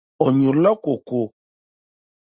O nyurila koko.